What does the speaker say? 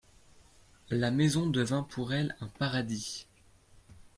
La maison devint pour elle un paradis.